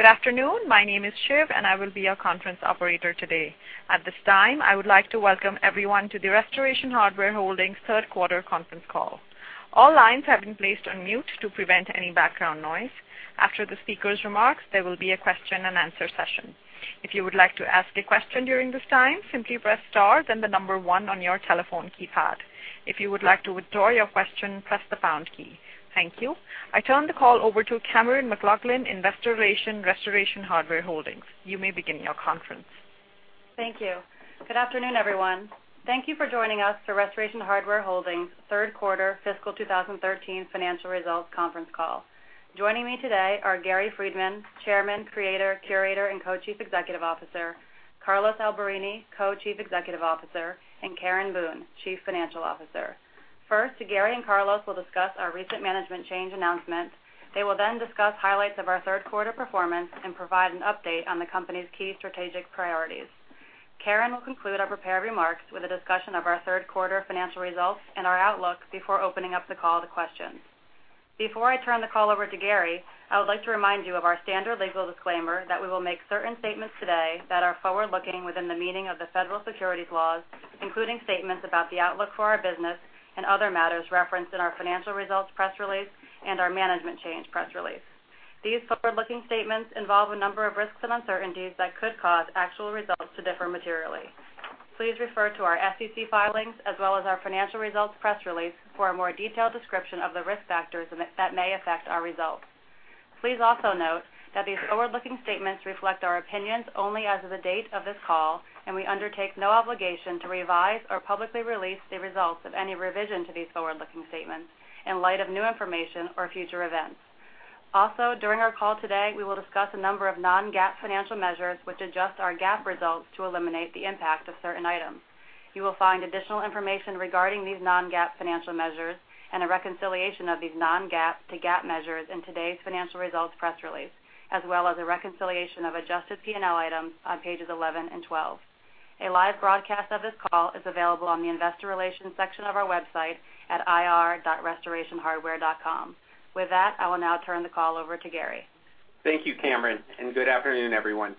Good afternoon. My name is Shiv, and I will be your conference operator today. At this time, I would like to welcome everyone to the Restoration Hardware Holdings third quarter conference call. All lines have been placed on mute to prevent any background noise. After the speaker's remarks, there will be a question and answer session. If you would like to ask a question during this time, simply press star, then the number one on your telephone keypad. If you would like to withdraw your question, press the pound key. Thank you. I turn the call over to Cammeron McLaughlin, Investor Relations, Restoration Hardware Holdings. You may begin your conference. Thank you. Good afternoon, everyone. Thank you for joining us for Restoration Hardware Holdings' third quarter fiscal 2013 financial results conference call. Joining me today are Gary Friedman, Chairman, Creator, Curator, and Co-Chief Executive Officer, Carlos Alberini, Co-Chief Executive Officer, and Karen Boone, Chief Financial Officer. First, Gary and Carlos will discuss our recent management change announcement. They will then discuss highlights of our third quarter performance and provide an update on the company's key strategic priorities. Karen will conclude our prepared remarks with a discussion of our third quarter financial results and our outlook before opening up the call to questions. Before I turn the call over to Gary, I would like to remind you of our standard legal disclaimer that we will make certain statements today that are forward-looking within the meaning of the federal securities laws, including statements about the outlook for our business and other matters referenced in our financial results press release and our management change press release. These forward-looking statements involve a number of risks and uncertainties that could cause actual results to differ materially. Please refer to our SEC filings as well as our financial results press release for a more detailed description of the risk factors that may affect our results. Please also note that these forward-looking statements reflect our opinions only as of the date of this call, and we undertake no obligation to revise or publicly release the results of any revision to these forward-looking statements in light of new information or future events. Also, during our call today, we will discuss a number of non-GAAP financial measures which adjust our GAAP results to eliminate the impact of certain items. You will find additional information regarding these non-GAAP financial measures and a reconciliation of these non-GAAP to GAAP measures in today's financial results press release, as well as a reconciliation of adjusted P&L items on pages 11 and 12. A live broadcast of this call is available on the investor relations section of our website at ir.restorationhardware.com. With that, I will now turn the call over to Gary. Thank you, Cameron, and good afternoon, everyone.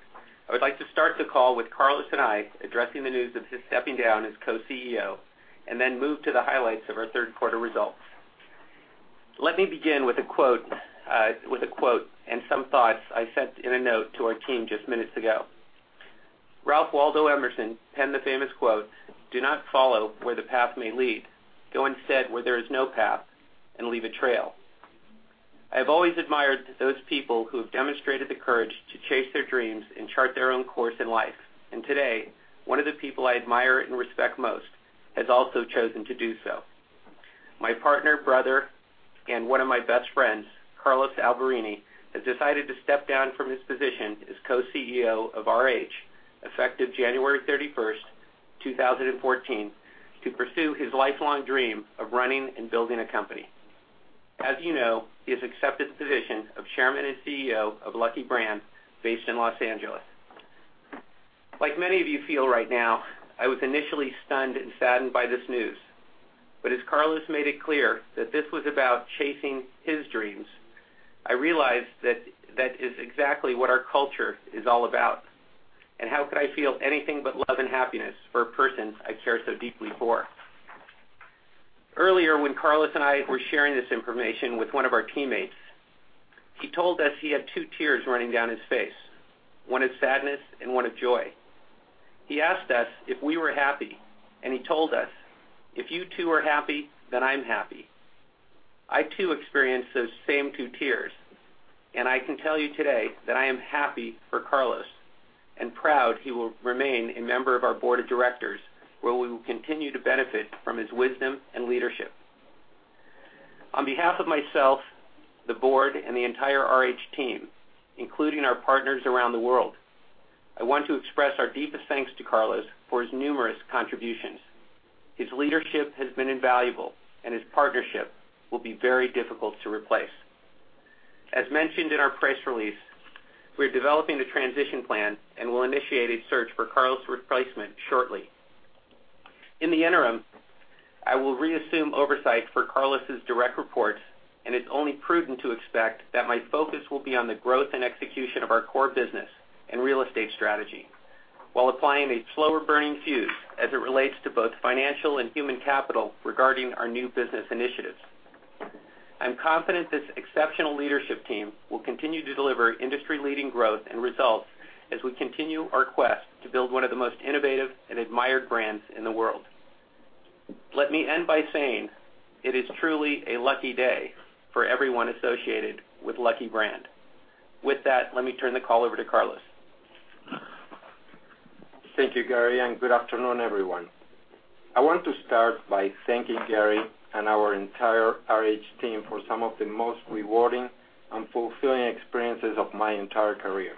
I would like to start the call with Carlos and I addressing the news of his stepping down as co-CEO and then move to the highlights of our third quarter results. Let me begin with a quote and some thoughts I sent in a note to our team just minutes ago. Ralph Waldo Emerson penned the famous quote, "Do not follow where the path may lead. Go instead where there is no path and leave a trail." I have always admired those people who have demonstrated the courage to chase their dreams and chart their own course in life. Today, one of the people I admire and respect most has also chosen to do so. My partner, brother, and one of my best friends, Carlos Alberini, has decided to step down from his position as co-CEO of RH effective January 31st, 2014, to pursue his lifelong dream of running and building a company. As you know, he has accepted the position of Chairman and CEO of Lucky Brand, based in Los Angeles. Like many of you feel right now, I was initially stunned and saddened by this news. As Carlos made it clear that this was about chasing his dreams, I realized that is exactly what our culture is all about. How could I feel anything but love and happiness for a person I care so deeply for? Earlier, when Carlos and I were sharing this information with one of our teammates, he told us he had two tears running down his face, one of sadness and one of joy. He asked us if we were happy, and he told us, "If you two are happy, then I'm happy." I too experienced those same two tears, and I can tell you today that I am happy for Carlos and proud he will remain a member of our board of directors, where we will continue to benefit from his wisdom and leadership. On behalf of myself, the board, and the entire RH team, including our partners around the world, I want to express our deepest thanks to Carlos for his numerous contributions. His leadership has been invaluable, and his partnership will be very difficult to replace. As mentioned in our press release, we are developing a transition plan and will initiate a search for Carlos' replacement shortly. In the interim, I will reassume oversight for Carlos's direct reports, and it's only prudent to expect that my focus will be on the growth and execution of our core business and real estate strategy while applying a slower burning fuse as it relates to both financial and human capital regarding our new business initiatives. I'm confident this exceptional leadership team will continue to deliver industry-leading growth and results as we continue our quest to build one of the most innovative and admired brands in the world. Let me end by saying it is truly a lucky day for everyone associated with Lucky Brand. With that, let me turn the call over to Carlos. Thank you, Gary, good afternoon, everyone. I want to start by thanking Gary and our entire RH team for some of the most rewarding and fulfilling experiences of my entire career.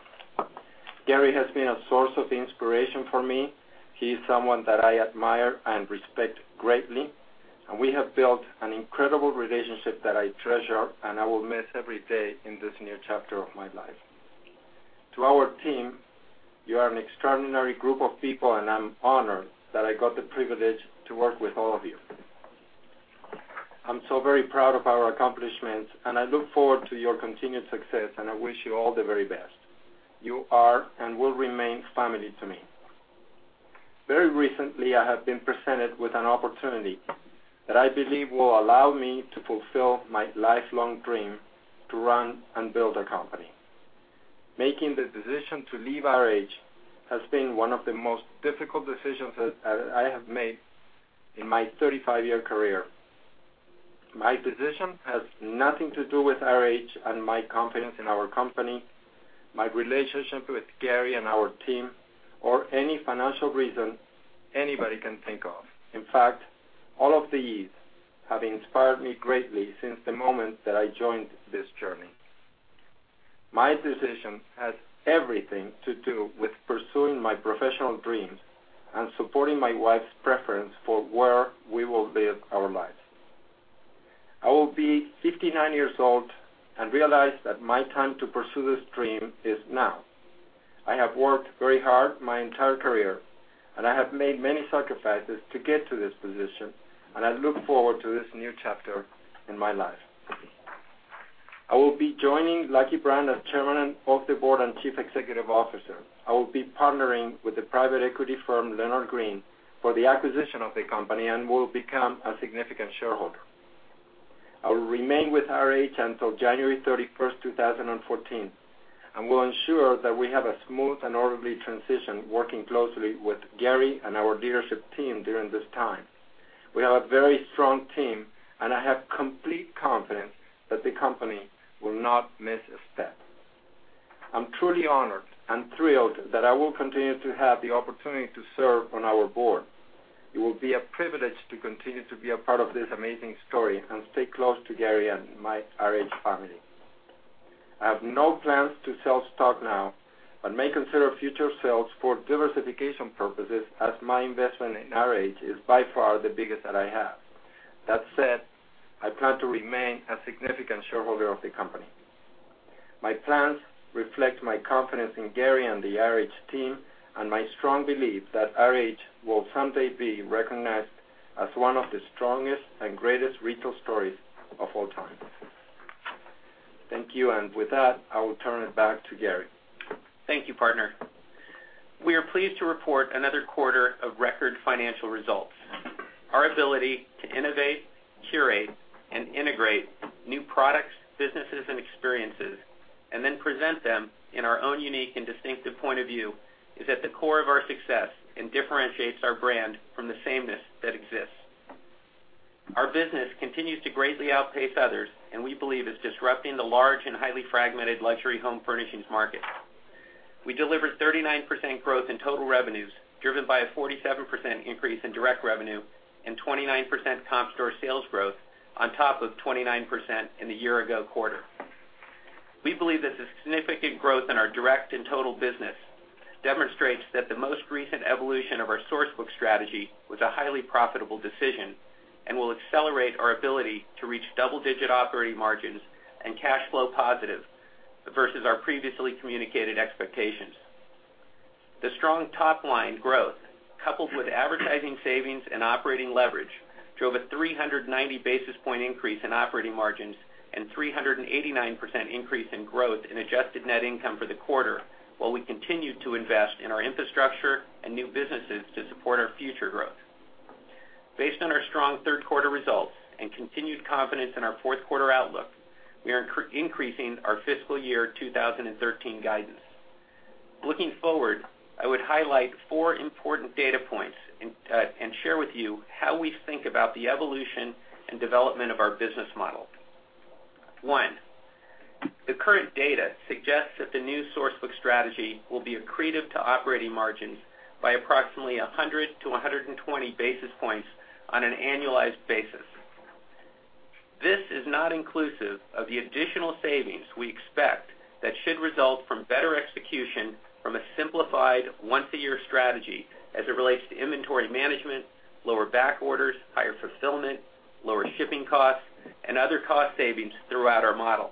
Gary has been a source of inspiration for me. He is someone that I admire and respect greatly, and we have built an incredible relationship that I treasure, I will miss every day in this new chapter of my life. To our team, you are an extraordinary group of people, and I'm honored that I got the privilege to work with all of you. I'm so very proud of our accomplishments, I look forward to your continued success, I wish you all the very best. You are and will remain family to me. Very recently, I have been presented with an opportunity that I believe will allow me to fulfill my lifelong dream to run and build a company. Making the decision to leave RH has been one of the most difficult decisions that I have made in my 35-year career. My decision has nothing to do with RH and my confidence in our company, my relationship with Gary and our team, or any financial reason anybody can think of. In fact, all of these have inspired me greatly since the moment that I joined this journey. My decision has everything to do with pursuing my professional dreams and supporting my wife's preference for where we will build our lives. I will be 59 years old and realize that my time to pursue this dream is now. I have worked very hard my entire career, I have made many sacrifices to get to this position, I look forward to this new chapter in my life. I will be joining Lucky Brand as Chairman of the Board and Chief Executive Officer. I will be partnering with the private equity firm Leonard Green for the acquisition of the company and will become a significant shareholder. I will remain with RH until January 31st, 2014, will ensure that we have a smooth and orderly transition, working closely with Gary and our leadership team during this time. We have a very strong team, I have complete confidence that the company will not miss a step. I'm truly honored and thrilled that I will continue to have the opportunity to serve on our board. It will be a privilege to continue to be a part of this amazing story, stay close to Gary and my RH family. I have no plans to sell stock now, may consider future sales for diversification purposes as my investment in RH is by far the biggest that I have. That said, I plan to remain a significant shareholder of the company. My plans reflect my confidence in Gary and the RH team, my strong belief that RH will someday be recognized as one of the strongest and greatest retail stories of all time. Thank you. With that, I will turn it back to Gary. Thank you, partner. We are pleased to report another quarter of record financial results. Our ability to innovate, curate, and integrate new products, businesses, and experiences, and then present them in our own unique and distinctive point of view, is at the core of our success and differentiates our brand from the sameness that exists. Our business continues to greatly outpace others, and we believe is disrupting the large and highly fragmented luxury home furnishings market. We delivered 39% growth in total revenues, driven by a 47% increase in direct revenue and 29% comp store sales growth on top of 29% in the year-ago quarter. We believe that the significant growth in our direct and total business demonstrates that the most recent evolution of our source book strategy was a highly profitable decision and will accelerate our ability to reach double-digit operating margins and cash flow positive versus our previously communicated expectations. The strong top-line growth, coupled with advertising savings and operating leverage, drove a 390 basis point increase in operating margins and 389% increase in growth in adjusted net income for the quarter, while we continued to invest in our infrastructure and new businesses to support our future growth. Based on our strong third quarter results and continued confidence in our fourth quarter outlook, we are increasing our fiscal year 2013 guidance. Looking forward, I would highlight four important data points and share with you how we think about the evolution and development of our business model. One, the current data suggests that the new source book strategy will be accretive to operating margins by approximately 100-120 basis points on an annualized basis. This is not inclusive of the additional savings we expect that should result from better execution from a simplified once-a-year strategy as it relates to inventory management, lower back orders, higher fulfillment, lower shipping costs, and other cost savings throughout our model.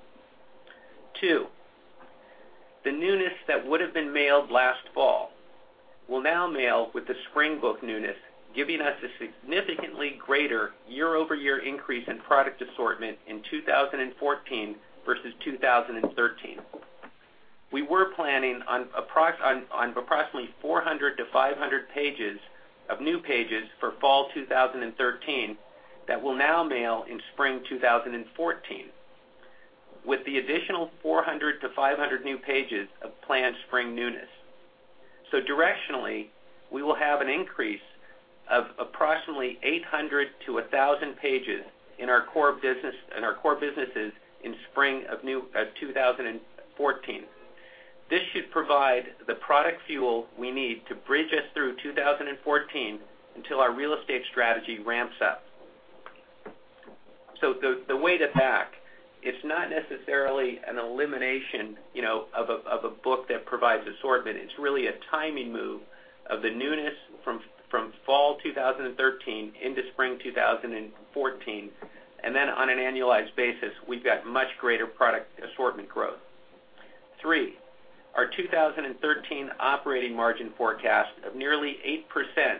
Two, the newness that would have been mailed last fall will now mail with the spring book newness, giving us a significantly greater year-over-year increase in product assortment in 2014 versus 2013. We were planning on approximately 400-500 pages of new pages for fall 2013 that will now mail in spring 2014 with the additional 400-500 new pages of planned spring newness. Directionally, we will have an increase of approximately 800-1,000 pages in our core businesses in spring of 2014. This should provide the product fuel we need to bridge us through 2014 until our real estate strategy ramps up. The way to back, it's not necessarily an elimination of a book that provides assortment. It's really a timing move of the newness from fall 2013 into spring 2014. On an annualized basis, we've got much greater product assortment growth. Three, our 2013 operating margin forecast of nearly 8%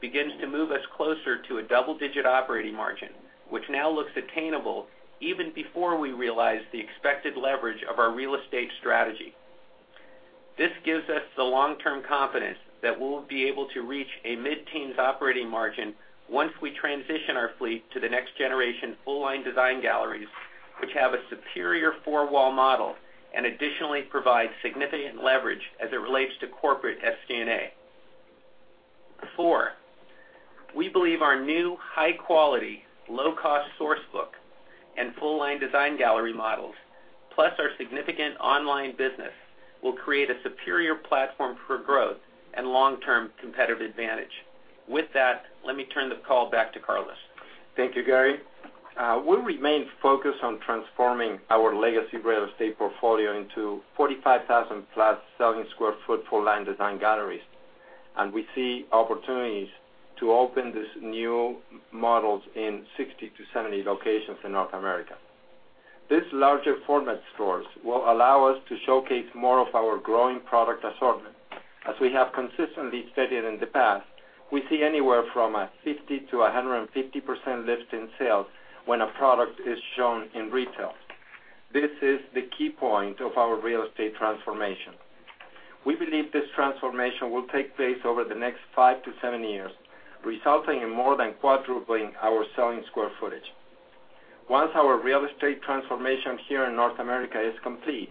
begins to move us closer to a double-digit operating margin, which now looks attainable even before we realize the expected leverage of our real estate strategy. This gives us the long-term confidence that we'll be able to reach a mid-teens operating margin once we transition our fleet to the next generation full-line design galleries, which have a superior four-wall model, and additionally provide significant leverage as it relates to corporate SG&A. Four, we believe our new high-quality, low-cost source book and full-line design gallery models, plus our significant online business, will create a superior platform for growth and long-term competitive advantage. With that, let me turn the call back to Carlos. Thank you, Gary. We remain focused on transforming our legacy real estate portfolio into 45,000-plus selling square foot full-line design galleries, and we see opportunities to open these new models in 60 to 70 locations in North America. These larger format stores will allow us to showcase more of our growing product assortment. As we have consistently stated in the past, we see anywhere from a 50%-150% lift in sales when a product is shown in retail. This is the key point of our real estate transformation. We believe this transformation will take place over the next five to seven years, resulting in more than quadrupling our selling square footage. Once our real estate transformation here in North America is complete,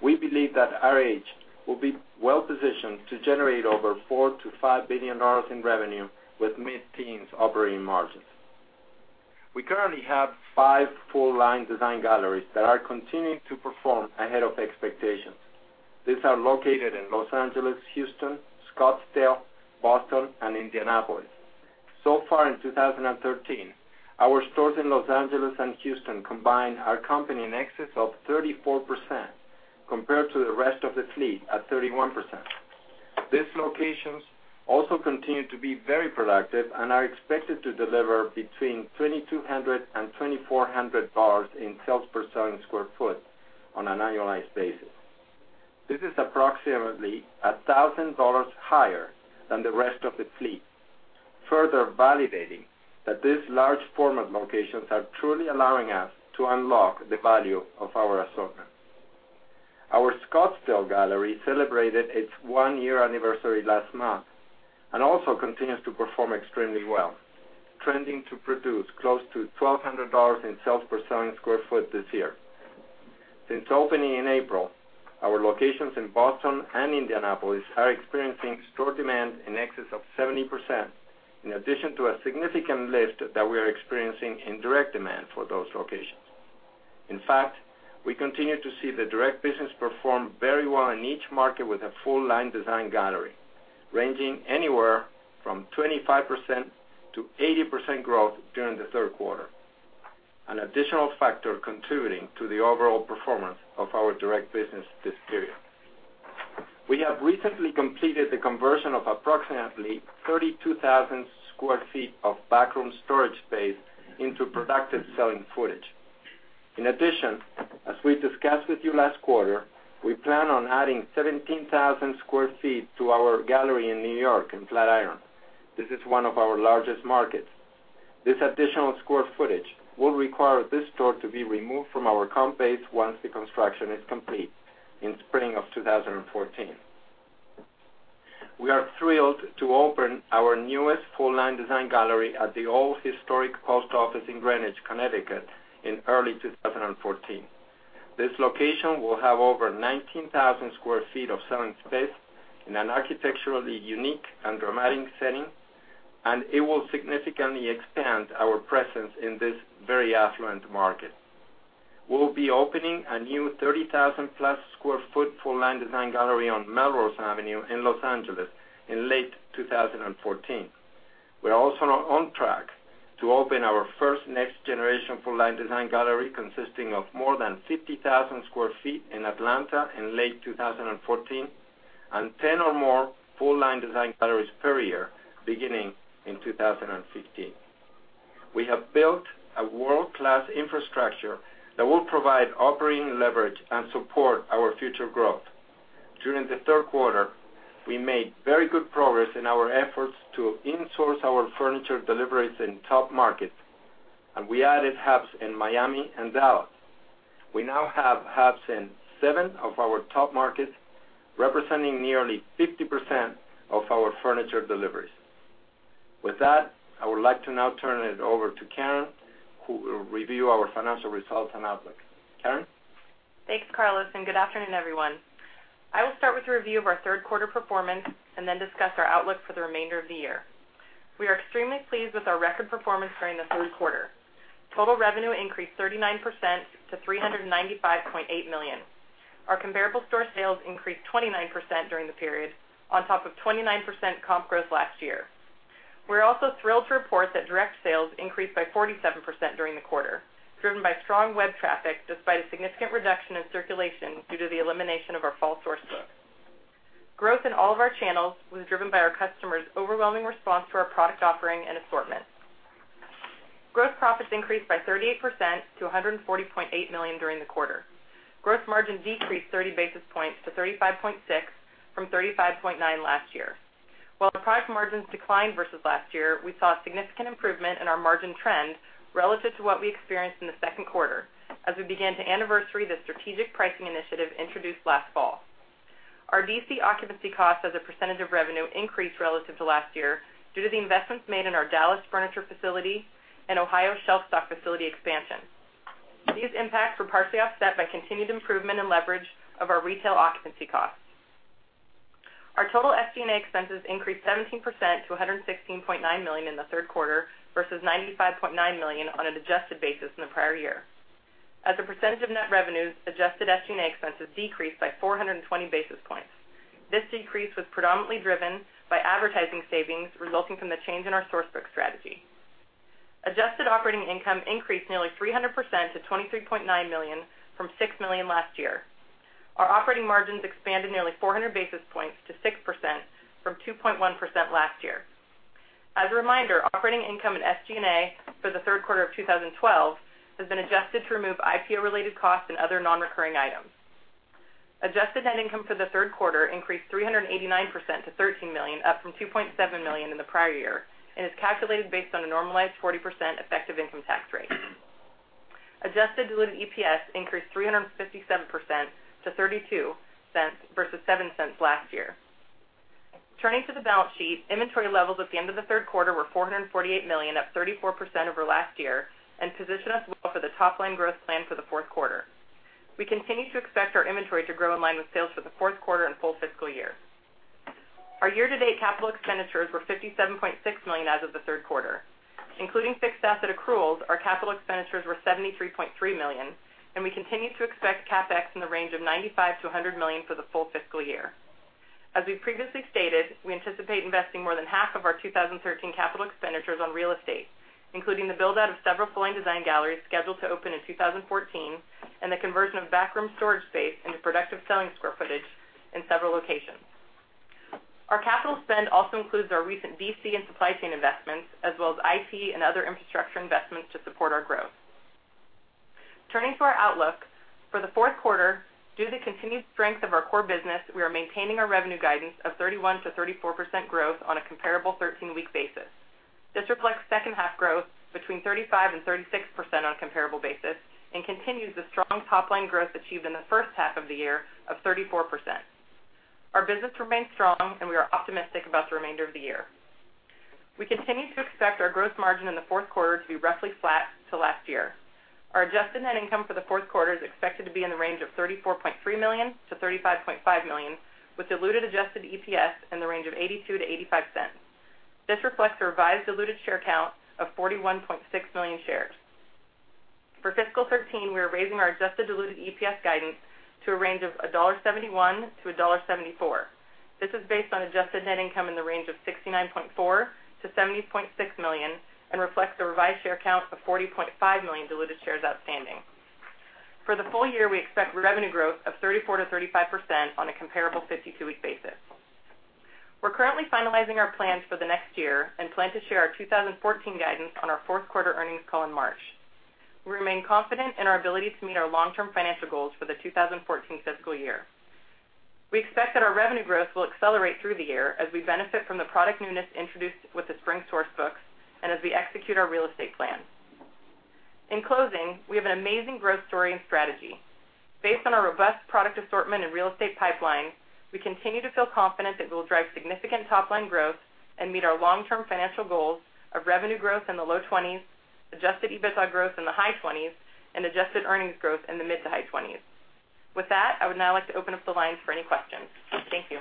we believe that RH will be well-positioned to generate over $4 billion-$5 billion in revenue with mid-teens operating margins. We currently have five full-line design galleries that are continuing to perform ahead of expectations. These are located in Los Angeles, Houston, Scottsdale, Boston, and Indianapolis. So far in 2013, our stores in Los Angeles and Houston combined are company in excess of 34% compared to the rest of the fleet at 31%. These locations also continue to be very productive and are expected to deliver between $2,200 and $2,400 in sales per selling square foot on an annualized basis. This is approximately $1,000 higher than the rest of the fleet, further validating that these large format locations are truly allowing us to unlock the value of our assortment. Our Scottsdale gallery celebrated its one-year anniversary last month and also continues to perform extremely well, trending to produce close to $1,200 in sales per selling square foot this year. Since opening in April, our locations in Boston and Indianapolis are experiencing store demand in excess of 70%, in addition to a significant lift that we are experiencing in direct demand for those locations. In fact, we continue to see the direct business perform very well in each market with a full-line design gallery, ranging anywhere from 25%-80% growth during the third quarter, an additional factor contributing to the overall performance of our direct business this period. We have recently completed the conversion of approximately 32,000 square feet of backroom storage space into productive selling footage. In addition, as we discussed with you last quarter, we plan on adding 17,000 square feet to our gallery in New York in Flatiron. This is one of our largest markets. This additional square footage will require this store to be removed from our comp base once the construction is complete in spring of 2014. We are thrilled to open our newest full-line design gallery at the old historic post office in Greenwich, Connecticut, in early 2014. This location will have over 19,000 square feet of selling space in an architecturally unique and dramatic setting, and it will significantly expand our presence in this very affluent market. We'll be opening a new 30,000-plus square foot full-line design gallery on Melrose Avenue in Los Angeles in late 2014. We are also on track to open our first next-generation full-line design gallery consisting of more than 50,000 square feet in Atlanta in late 2014 and 10 or more full-line design galleries per year beginning in 2015. We have built a world-class infrastructure that will provide operating leverage and support our future growth. During the third quarter, we made very good progress in our efforts to insource our furniture deliveries in top markets. We added hubs in Miami and Dallas. We now have hubs in seven of our top markets, representing nearly 50% of our furniture deliveries. With that, I would like to now turn it over to Karen, who will review our financial results and outlook. Karen? Thanks, Carlos. Good afternoon, everyone. I will start with a review of our third quarter performance. Then discuss our outlook for the remainder of the year. We are extremely pleased with our record performance during the third quarter. Total revenue increased 39% to $395.8 million. Our comparable store sales increased 29% during the period on top of 29% comp growth last year. We're also thrilled to report that direct sales increased by 47% during the quarter, driven by strong web traffic despite a significant reduction in circulation due to the elimination of our fall source book. Growth in all of our channels was driven by our customers' overwhelming response to our product offering and assortment. Gross profits increased by 38% to $140.8 million during the quarter. Gross margin decreased 30 basis points to 35.6% from 35.9% last year. While product margins declined versus last year, we saw a significant improvement in our margin trend relative to what we experienced in the second quarter as we began to anniversary the strategic pricing initiative introduced last fall. Our DC occupancy costs as a percentage of revenue increased relative to last year due to the investments made in our Dallas furniture facility and Ohio shelf-stock facility expansion. These impacts were partially offset by continued improvement and leverage of our retail occupancy costs. Our total SG&A expenses increased 17% to $116.9 million in the third quarter versus $95.9 million on an adjusted basis in the prior year. As a percentage of net revenues, adjusted SG&A expenses decreased by 420 basis points. This decrease was predominantly driven by advertising savings resulting from the change in our source book strategy. Adjusted operating income increased nearly 300% to $23.9 million from $6 million last year. Our operating margins expanded nearly 400 basis points to 6% from 2.1% last year. As a reminder, operating income and SG&A for the third quarter of 2012 has been adjusted to remove IPO-related costs and other non-recurring items. Adjusted net income for the third quarter increased 389% to $13 million, up from $2.7 million in the prior year, and is calculated based on a normalized 40% effective income tax rate. Adjusted diluted EPS increased 357% to $0.32 versus $0.07 last year. Turning to the balance sheet, inventory levels at the end of the third quarter were $448 million, up 34% over last year, and position us well for the top-line growth plan for the fourth quarter. We continue to expect our inventory to grow in line with sales for the fourth quarter and full fiscal year. Our year-to-date capital expenditures were $57.6 million as of the third quarter. Including fixed asset accruals, our capital expenditures were $73.3 million, and we continue to expect CapEx in the range of $95 million-$100 million for the full fiscal year. As we previously stated, we anticipate investing more than half of our 2013 capital expenditures on real estate, including the build-out of several full-line design galleries scheduled to open in 2014 and the conversion of backroom storage space into productive selling square footage in several locations. Our capital spend also includes our recent D.C. and supply chain investments, as well as IT and other infrastructure investments to support our growth. Turning to our outlook. For the fourth quarter, due to the continued strength of our core business, we are maintaining our revenue guidance of 31%-34% growth on a comparable 13-week basis. This reflects second half growth between 35% and 36% on a comparable basis and continues the strong top-line growth achieved in the first half of the year of 34%. Our business remains strong, and we are optimistic about the remainder of the year. We continue to expect our gross margin in the fourth quarter to be roughly flat to last year. Our adjusted net income for the fourth quarter is expected to be in the range of $34.3 million-$35.5 million, with diluted adjusted EPS in the range of $0.82-$0.85. This reflects a revised diluted share count of 41.6 million shares. For fiscal 2013, we are raising our adjusted diluted EPS guidance to a range of $1.71-$1.74. This is based on adjusted net income in the range of $69.4 million-$70.6 million and reflects a revised share count of 40.5 million diluted shares outstanding. For the full year, we expect revenue growth of 34%-35% on a comparable 52-week basis. We are currently finalizing our plans for the next year and plan to share our 2014 guidance on our fourth quarter earnings call in March. We remain confident in our ability to meet our long-term financial goals for the 2014 fiscal year. We expect that our revenue growth will accelerate through the year as we benefit from the product newness introduced with the spring source books and as we execute our real estate plan. In closing, we have an amazing growth story and strategy. Based on our robust product assortment and real estate pipeline, we continue to feel confident that we'll drive significant top-line growth and meet our long-term financial goals of revenue growth in the low 20s, adjusted EBITDA growth in the high 20s, and adjusted earnings growth in the mid to high 20s. With that, I would now like to open up the lines for any questions. Thank you.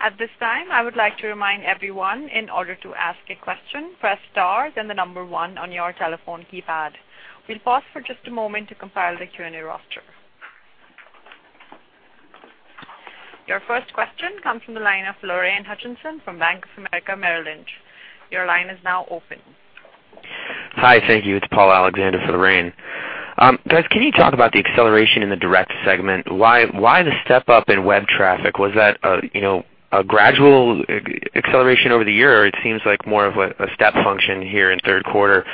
At this time, I would like to remind everyone, in order to ask a question, press star then the number one on your telephone keypad. We'll pause for just a moment to compile the Q&A roster. Your first question comes from the line of Lorraine Hutchinson from Bank of America Merrill Lynch. Your line is now open. Hi, thank you. It's Paul Alexander for Lorraine. Guys, can you talk about the acceleration in the direct segment? Why the step-up in web traffic? Was that a gradual acceleration over the year, or it seems like more of a step function here in the third quarter?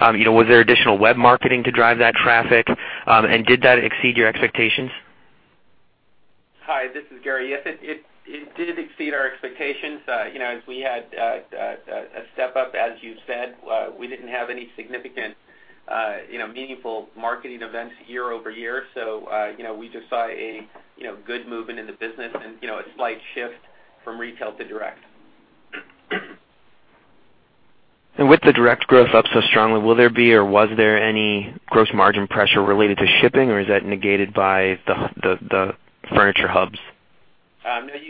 Was there additional web marketing to drive that traffic, and did that exceed your expectations? Hi, this is Gary. Yes, it did exceed our expectations. As we had a step-up, as you said, we didn't have any significant meaningful marketing events year-over-year. We just saw a good movement in the business and a slight shift from retail to direct. With the direct growth up so strongly, will there be or was there any gross margin pressure related to shipping, or is that negated by the furniture hubs?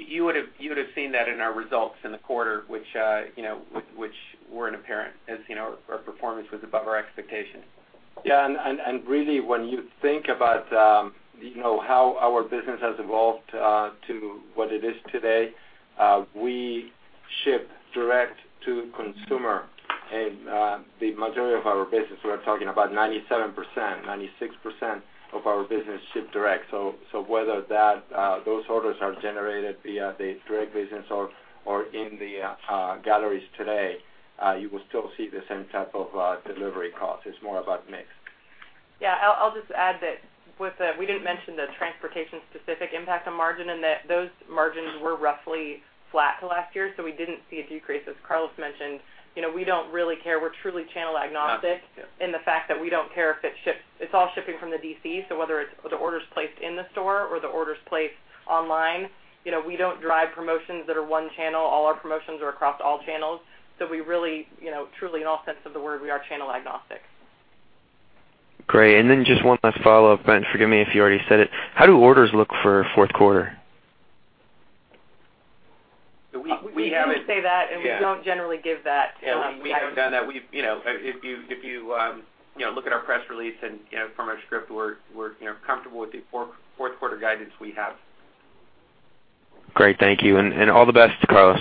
You would have seen that in our results in the quarter, which were apparent as our performance was above our expectations. Really, when you think about how our business has evolved to what it is today, we ship direct to consumer, and the majority of our business, we are talking about 97%, 96% of our business ship direct. Whether those orders are generated via the direct business or in the galleries today, you will still see the same type of delivery cost. It's more about mix. I'll just add that we didn't mention the transportation-specific impact on margin and that those margins were roughly flat to last year, so we didn't see a decrease. As Carlos mentioned, we don't really care. We're truly channel agnostic in the fact that we don't care if it ships. It's all shipping from the DC, so whether the order's placed in the store or the order's placed online, we don't drive promotions that are one channel. All our promotions are across all channels. We really, truly, in all sense of the word, we are channel agnostic. Great. Then just one last follow-up. Forgive me if you already said it, how do orders look for fourth quarter? We haven't. We didn't say that, and we don't generally give that guidance. Yeah. We haven't done that. If you look at our press release and from our script, we're comfortable with the fourth-quarter guidance we have. Great. Thank you, and all the best, Carlos.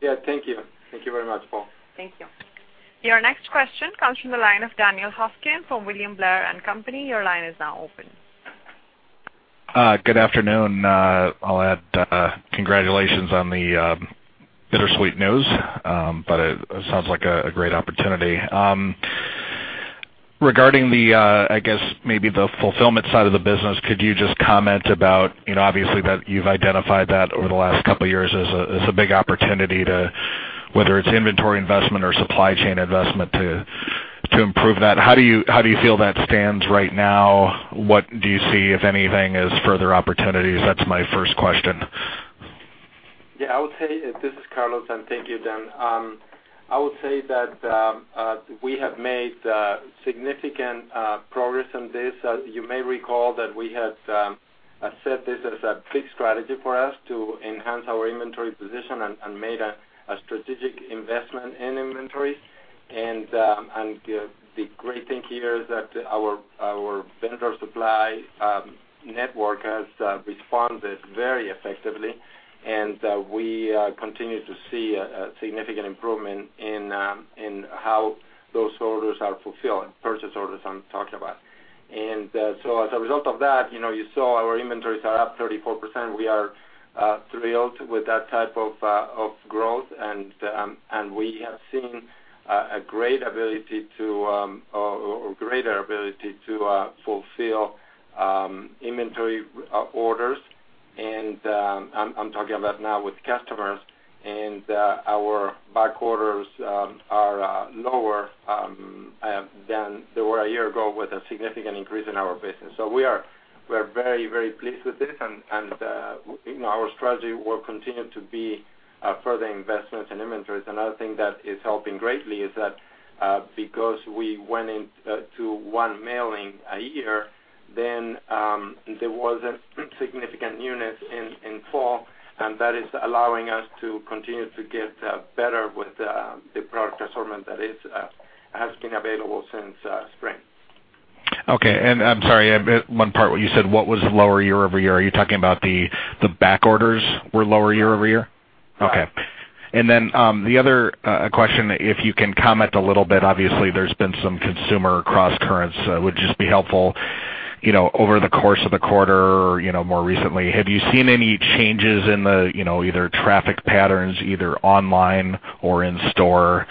Yeah. Thank you. Thank you very much, Paul. Thank you. Your next question comes from the line of Daniela Hoskins from William Blair & Company. Your line is now open. Good afternoon. I'll add congratulations on the bittersweet news. It sounds like a great opportunity. Regarding the, I guess maybe the fulfillment side of the business, could you just comment about, obviously that you've identified that over the last couple of years as a big opportunity to, whether it's inventory investment or supply chain investment to improve that. How do you feel that stands right now? What do you see, if anything, as further opportunities? That's my first question. Yeah, I would say, this is Carlos, and thank you, Dan. I would say that we have made significant progress on this. You may recall that we had set this as a big strategy for us to enhance our inventory position and made a strategic investment in inventory. The great thing here is that our vendor supply network has responded very effectively, and we continue to see a significant improvement in how those orders are fulfilled, purchase orders I'm talking about. As a result of that, you saw our inventories are up 34%. We are thrilled with that type of growth, and we have seen a greater ability to fulfill inventory orders. I'm talking about now with customers, and our back orders are lower than they were a year ago with a significant increase in our business. We are very pleased with this, and our strategy will continue to be further investments in inventories. Another thing that is helping greatly is that because we went into one mailing a year, then there wasn't significant units in fall, and that is allowing us to continue to get better with the product assortment that has been available since spring. Okay. I'm sorry, one part where you said what was lower year-over-year. Are you talking about the back orders were lower year-over-year? Right. Okay. The other question, if you can comment a little bit, obviously, there's been some consumer crosscurrents. It would just be helpful, over the course of the quarter, more recently, have you seen any changes in the either traffic patterns, either online or in store?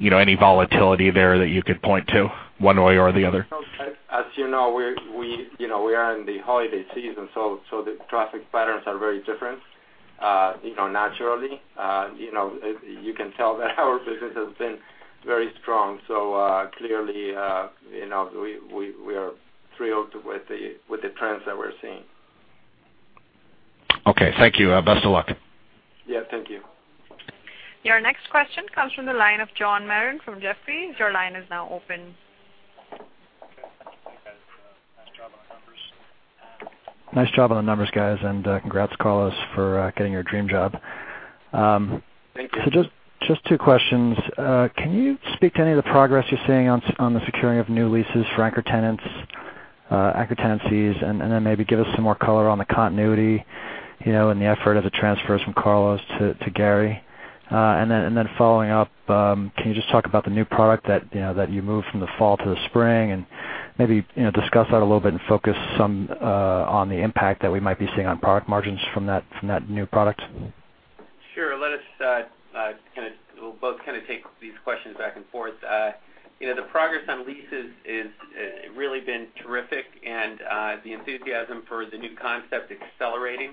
Any volatility there that you could point to one way or the other? As you know, we are in the holiday season, the traffic patterns are very different naturally. You can tell that our business has been very strong. Clearly, we are thrilled with the trends that we're seeing. Okay. Thank you. Best of luck. Yeah. Thank you. Your next question comes from the line of John Merin from Jefferies. Your line is now open. Okay. Thank you, guys. Nice job on the numbers, guys, congrats, Carlos, for getting your dream job. Thank you. Just two questions. Can you speak to any of the progress you're seeing on the securing of new leases for anchor tenancies? Maybe give us some more color on the continuity and the effort of the transfers from Carlos to Gary. Following up, can you just talk about the new product that you moved from the fall to the spring, and maybe discuss that a little bit and focus some on the impact that we might be seeing on product margins from that new product? Sure. We'll both take these questions back and forth. The progress on leases has really been terrific, and the enthusiasm for the new concept is accelerating.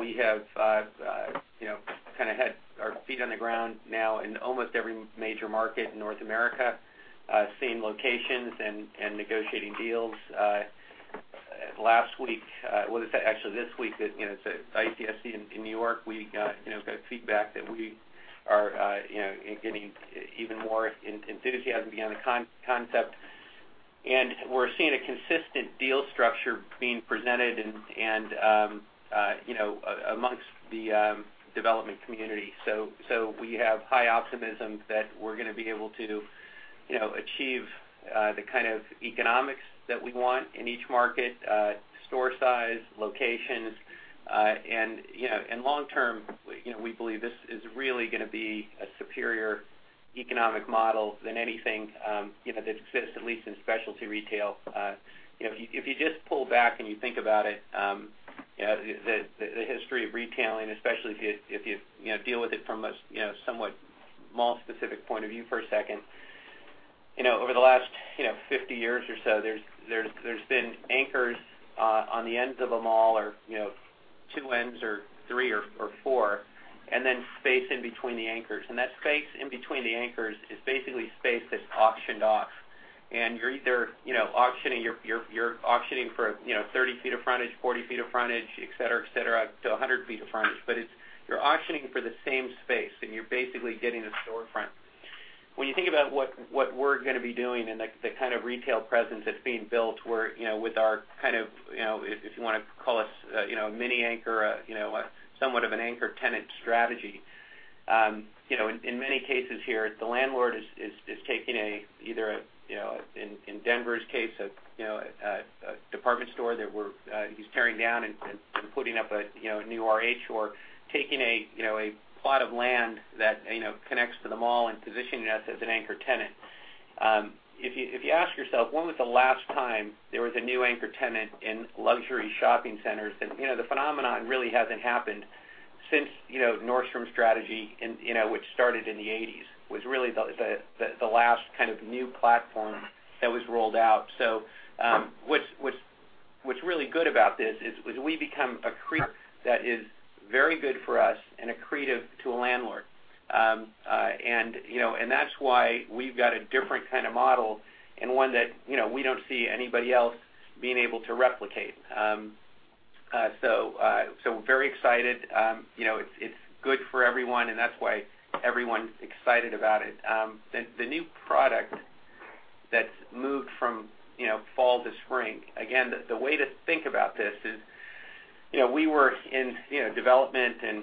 We have had our feet on the ground now in almost every major market in North America, seeing locations and negotiating deals. Last week. Well, actually this week, at ICSC in New York, we got feedback that we are getting even more enthusiasm behind the concept. We're seeing a consistent deal structure being presented amongst the development community. We have high optimism that we're going to be able to achieve the kind of economics that we want in each market, store size, locations. Long term, we believe this is really going to be a superior economic model than anything that exists, at least in specialty retail. If you just pull back and you think about it, the history of retailing, especially if you deal with it from a somewhat mall-specific point of view for a second. Over the last 50 years or so, there's been anchors on the ends of a mall or, two ends or three or four, and then space in between the anchors. That space in between the anchors is basically space that's auctioned off. You're either auctioning for 30 feet of frontage, 40 feet of frontage, et cetera, et cetera, up to 100 feet of frontage. You're auctioning for the same space, and you're basically getting a storefront. When you think about what we're going to be doing and the kind of retail presence that's being built, with our kind of, if you want to call us a mini anchor, somewhat of an anchor tenant strategy. In many cases here, the landlord is taking a, either, in Denver's case, a department store that he's tearing down and putting up a new RH or taking a plot of land that connects to the mall and positioning us as an anchor tenant. If you ask yourself, when was the last time there was a new anchor tenant in luxury shopping centers? The phenomenon really hasn't happened since Nordstrom's strategy, which started in the '80s, was really the last kind of new platform that was rolled out. What's really good about this is, we become accretive. That is very good for us and accretive to a landlord. That's why we've got a different kind of model and one that we don't see anybody else being able to replicate. Very excited. It's good for everyone, and that's why everyone's excited about it. The new product that's moved from fall to spring. Again, the way to think about this is, we were in development and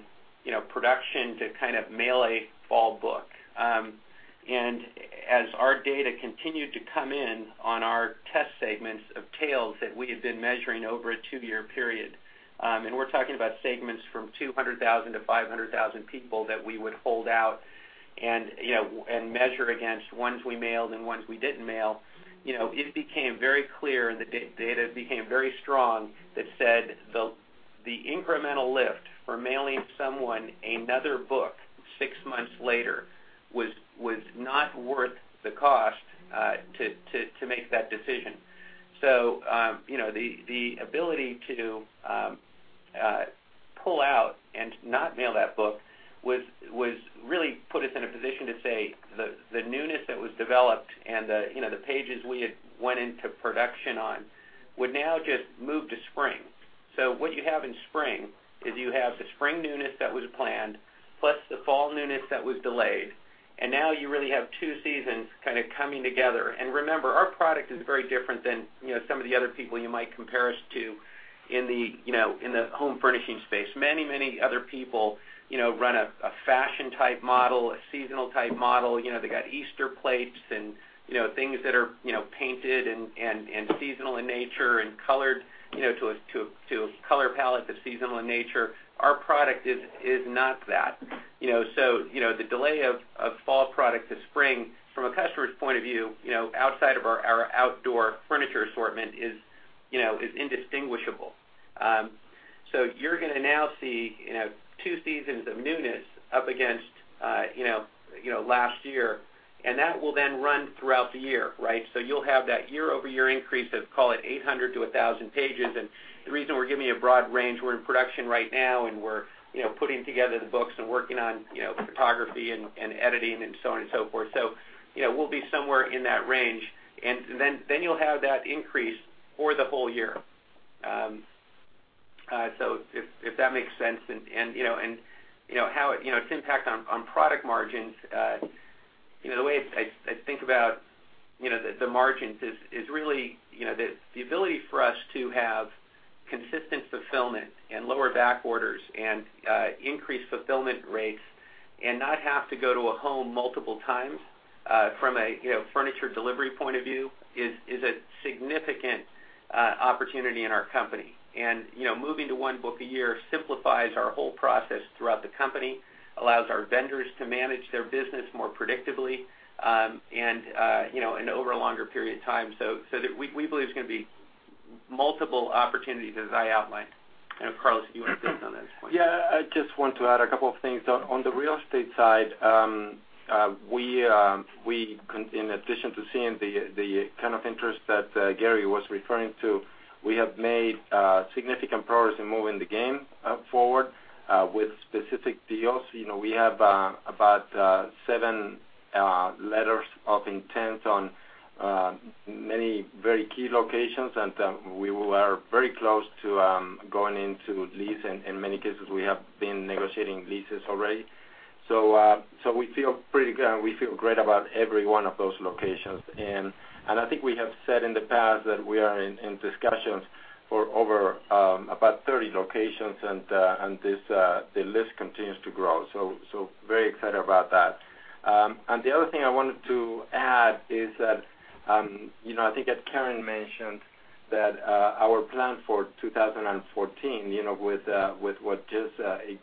production to kind of mail a fall book. As our data continued to come in on our test segments of tails that we had been measuring over a 2-year period, and we're talking about segments from 200,000 to 500,000 people that we would hold out and measure against ones we mailed and ones we didn't mail. It became very clear and the data became very strong that said the incremental lift for mailing someone another book six months later was not worth the cost to make that decision. The ability to pull out and not mail that book really put us in a position to say the newness that was developed and the pages we had went into production on would now just move to spring. What you have in spring is you have the spring newness that was planned, plus the fall newness that was delayed, now you really have two seasons kind of coming together. Remember, our product is very different than some of the other people you might compare us to in the home furnishing space. Many other people run a fashion type model, a seasonal type model. They got Easter plates and things that are painted and seasonal in nature and colored to a color palette that's seasonal in nature. Our product is not that. The delay of fall product to spring from a customer's point of view outside of our outdoor furniture assortment is indistinguishable. You're going to now see two seasons of newness up against last year, that will then run throughout the year, right? You'll have that year-over-year increase of call it 800 to 1,000 pages. The reason we're giving you a broad range, we're in production right now, we're putting together the books and working on photography and editing and so on and so forth. We'll be somewhere in that range. Then you'll have that increase for the whole year. If that makes sense and its impact on product margins. The way I think about the margins is really the ability for us to have consistent fulfillment and lower back orders and increased fulfillment rates and not have to go to a home multiple times from a furniture delivery point of view is a significant opportunity in our company. Moving to one book a year simplifies our whole process throughout the company, allows our vendors to manage their business more predictably and over a longer period of time. We believe it's going to be multiple opportunities as I outlined. Carlos, you want to take on that point? Yeah. I just want to add a couple of things. On the real estate side, in addition to seeing the kind of interest that Gary was referring to, we have made significant progress in moving the game forward with specific deals. We have about seven letters of intent on many very key locations. We are very close to going into lease. In many cases, we have been negotiating leases already. We feel pretty good. We feel great about every one of those locations. I think we have said in the past that we are in discussions for over about 30 locations, the list continues to grow. Very excited about that. The other thing I wanted to add is that I think as Karen Boone mentioned, that our plan for 2014, with what just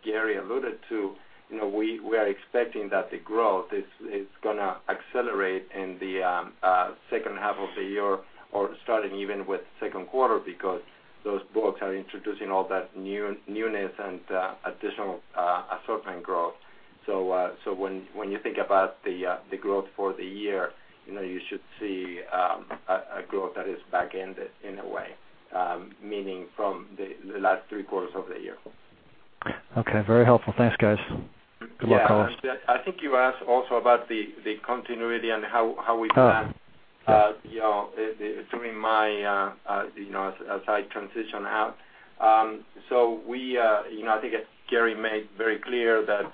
Gary Friedman alluded to, we are expecting that the growth is going to accelerate in the second half of the year or starting even with the second quarter because those books are introducing all that newness and additional assortment growth. When you think about the growth for the year, you should see a growth that is back-ended in a way, meaning from the last three quarters of the year. Okay. Very helpful. Thanks, guys. Good luck, Carlos Alberini. Yeah. I think you asked also about the continuity and how we plan. As I transition out. I think Gary Friedman made very clear that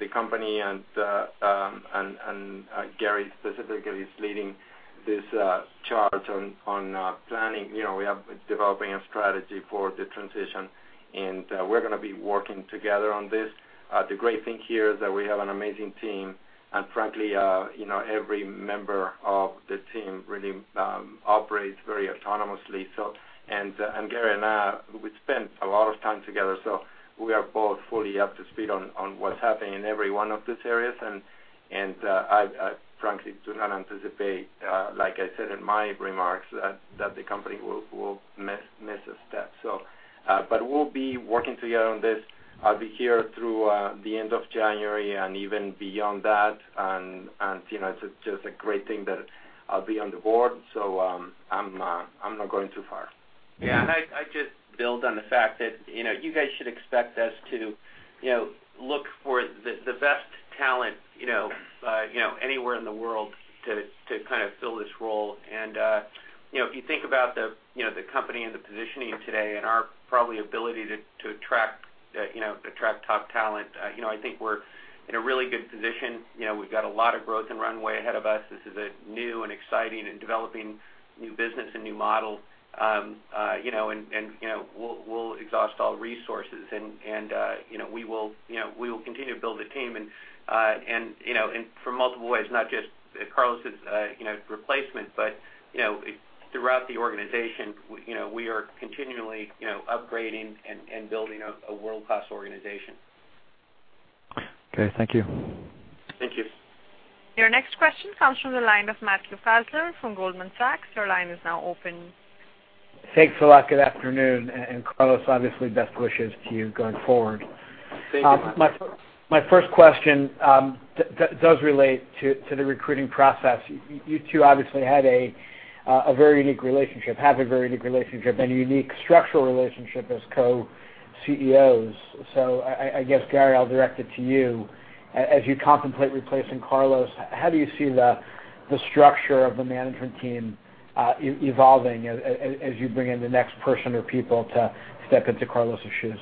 the company and Gary Friedman specifically is leading this charge on planning. We are developing a strategy for the transition, and we're going to be working together on this. The great thing here is that we have an amazing team, and frankly, every member of the team really operates very autonomously. Gary Friedman and I, we spent a lot of time together, so we are both fully up to speed on what's happening in every one of these areas. I frankly do not anticipate, like I said in my remarks, that the company will miss a step. We'll be working together on this. I'll be here through the end of January and even beyond that, and it's just a great thing that I'll be on the board. I'm not going too far. Yeah. I'd just build on the fact that you guys should expect us to look for the best talent anywhere in the world to kind of fill this role. If you think about the company and the positioning today and our ability to attract top talent, I think we're in a really good position. We've got a lot of growth and runway ahead of us. This is a new and exciting and developing new business and new model. We'll exhaust all resources, and we will continue to build the team and for multiple ways, not just Carlos' replacement, but throughout the organization, we are continually upgrading and building a world-class organization. Okay. Thank you. Thank you. Your next question comes from the line of Matthew Faulkner from Goldman Sachs. Your line is now open. Thanks a lot. Good afternoon. Carlos, obviously, best wishes to you going forward. Thank you, Matt. My first question does relate to the recruiting process. You two obviously had a very unique relationship, have a very unique relationship and a unique structural relationship as co-CEOs. I guess, Gary, I'll direct it to you. As you contemplate replacing Carlos, how do you see the structure of the management team evolving as you bring in the next person or people to step into Carlos' shoes?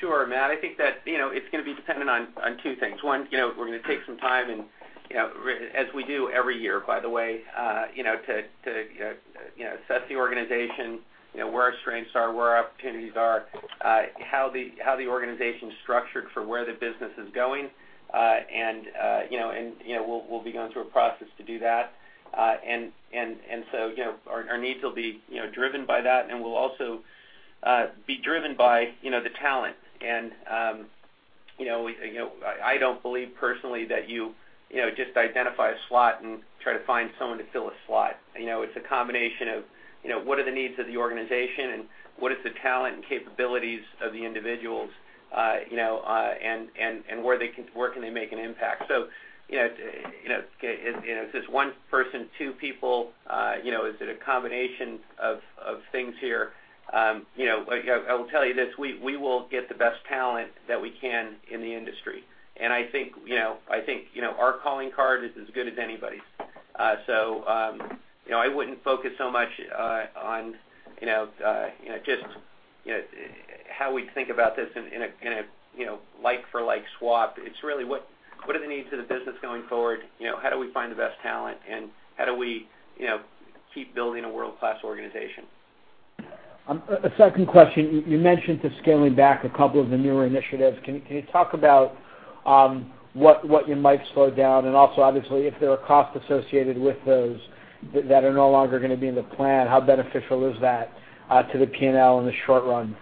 Sure, Matt. I think that it's going to be dependent on two things. One, we're going to take some time and, as we do every year, by the way, to assess the organization, where our strengths are, where our opportunities are, how the organization's structured for where the business is going. We'll be going through a process to do that. Our needs will be driven by that, and we'll also be driven by the talent. I don't believe personally that you just identify a slot and try to find someone to fill a slot. It's a combination of what are the needs of the organization and what is the talent and capabilities of the individuals, and where can they make an impact. Is this one person, two people? Is it a combination of things here? I will tell you this, we will get the best talent that we can in the industry. I think our calling card is as good as anybody's. I wouldn't focus so much on just how we think about this in a like for like swap. It's really what are the needs of the business going forward? How do we find the best talent, and how do we keep building a world-class organization? A second question. You mentioned the scaling back a couple of the newer initiatives. Can you talk about what you might slow down? Also, obviously, if there are costs associated with those that are no longer going to be in the plan, how beneficial is that to the P&L in the short run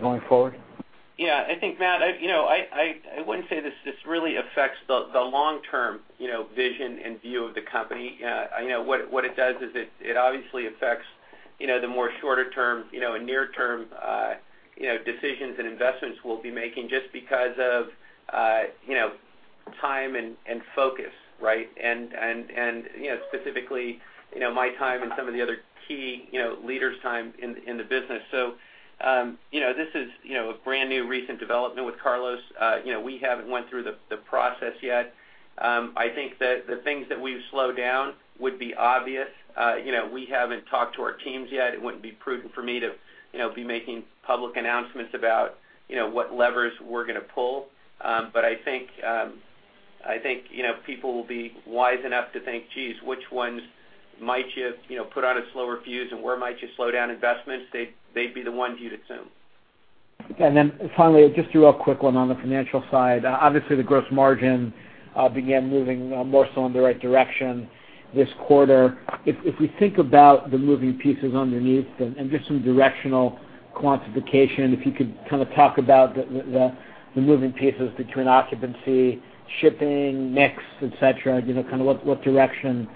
going forward? Yeah. I think, Matt, I wouldn't say this really affects the long-term vision and view of the company. What it does is it obviously affects the more shorter-term, and near-term decisions and investments we'll be making just because of time and focus, right? Specifically, my time and some of the other key leaders' time in the business. This is a brand-new recent development with Carlos. We haven't went through the process yet. I think that the things that we've slowed down would be obvious. We haven't talked to our teams yet. It wouldn't be prudent for me to be making public announcements about what levers we're going to pull. I think people will be wise enough to think, "Geez, which ones might you put on a slower fuse, and where might you slow down investments?" They'd be the ones you'd assume. Okay. Then finally, just a real quick one on the financial side. Obviously, the gross margin began moving more so in the right direction this quarter. If we think about the moving pieces underneath them and just some directional quantification, if you could talk about the moving pieces between occupancy, shipping, mix, et cetera. What direction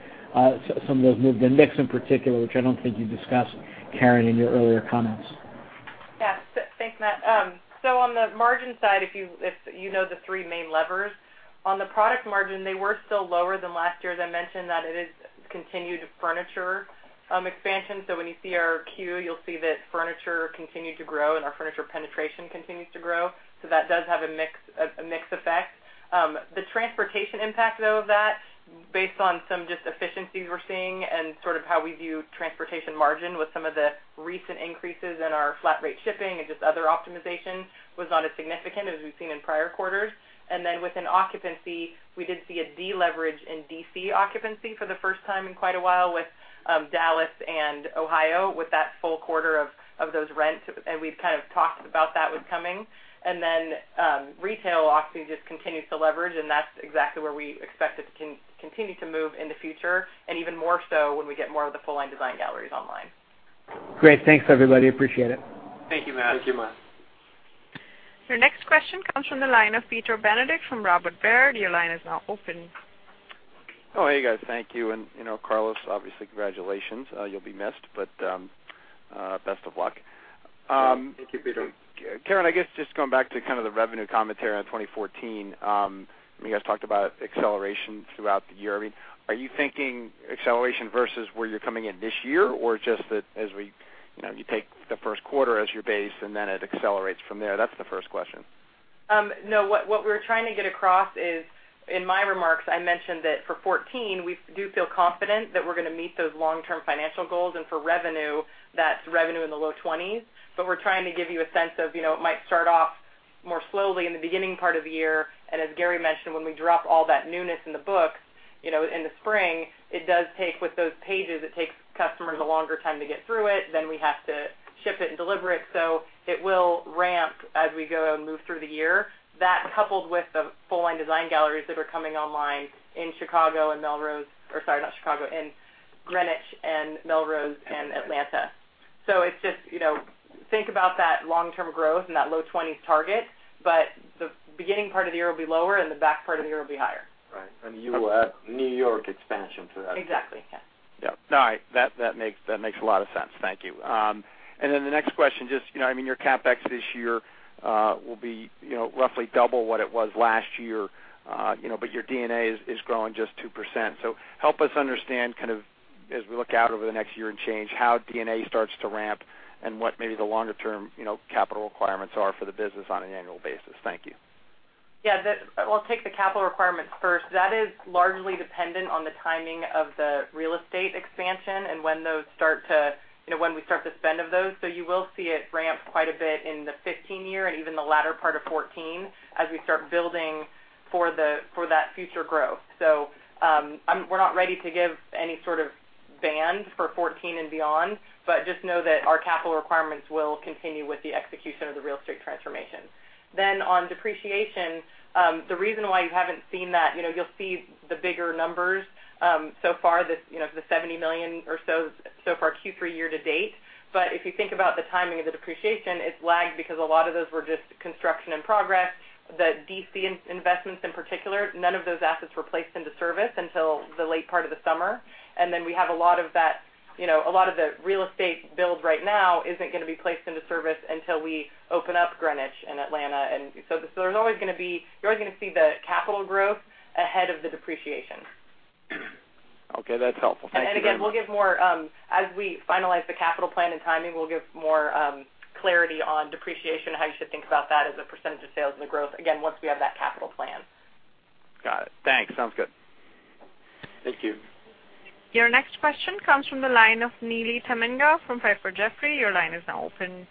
some of those move. The mix in particular, which I don't think you discussed, Karen, in your earlier comments. Yes. Thanks, Matt. On the margin side, you know the three main levers. On the product margin, they were still lower than last year. As I mentioned, that it is continued furniture expansion. When you see our Q, you'll see that furniture continued to grow and our furniture penetration continues to grow. That does have a mix effect. The transportation impact, though, of that, based on some efficiencies we're seeing and how we view transportation margin with some of the recent increases in our flat rate shipping and just other optimizations, was not as significant as we've seen in prior quarters. Within occupancy, we did see a deleverage in DC occupancy for the first time in quite a while with Dallas and Ohio with that full quarter of those rents, and we've talked about that one coming. Retail occupancy just continues to leverage, and that's exactly where we expect it to continue to move in the future, and even more so when we get more of the full-line design galleries online. Great. Thanks, everybody. Appreciate it. Thank you, Matt. Thank you, Matt. Your next question comes from the line of Peter Benedict from Robert Baird. Your line is now open. Oh, hey, guys. Thank you, and Carlos, obviously, congratulations. You'll be missed, but best of luck. Thank you, Peter. Karen, I guess just going back to the revenue commentary on 2014. You guys talked about acceleration throughout the year. Are you thinking acceleration versus where you're coming in this year, or just that as you take the first quarter as your base, and then it accelerates from there? That's the first question. No. What we're trying to get across is, in my remarks, I mentioned that for 2014, we do feel confident that we're going to meet those long-term financial goals and for revenue, that's revenue in the low 20s. We're trying to give you a sense of it might start off more slowly in the beginning part of the year. As Gary mentioned, when we drop all that newness in the book in the spring, with those pages, it takes customers a longer time to get through it, then we have to ship it and deliver it. It will ramp as we go and move through the year. That coupled with the full-line design galleries that are coming online in Greenwich and Melrose and Atlanta. Think about that long-term growth and that low 20s target. The beginning part of the year will be lower and the back part of the year will be higher. Right. You will add New York expansion to that. Exactly. Yes. No. That makes a lot of sense. Thank you. Then the next question, your CapEx this year will be roughly double what it was last year. Your D&A is growing just 2%. Help us understand, as we look out over the next year and change, how D&A starts to ramp and what maybe the longer-term capital requirements are for the business on an annual basis. Thank you. Well, I'll take the capital requirements first. That is largely dependent on the timing of the real estate expansion and when we start to spend of those. You will see it ramp quite a bit in the 2015 year and even the latter part of 2014 as we start building for that future growth. We're not ready to give any sort of band for 2014 and beyond, just know that our capital requirements will continue with the execution of the real estate transformation. On depreciation, the reason why you haven't seen that, you'll see the bigger numbers so far, the $70 million or so far Q3 year to date. If you think about the timing of the depreciation, it's lagged because a lot of those were just construction in progress. The DC investments in particular, none of those assets were placed into service until the late part of the summer. Then we have a lot of the real estate build right now isn't going to be placed into service until we open up Greenwich and Atlanta. You're always going to see the capital growth ahead of the depreciation. Okay. That's helpful. Thank you. Again, as we finalize the capital plan and timing, we'll give more clarity on depreciation, how you should think about that as a percentage of sales and the growth, again, once we have that capital plan. Got it. Thanks. Sounds good. Thank you. Your next question comes from the line of Neely Tamminga from Piper Jaffray. Your line is now open.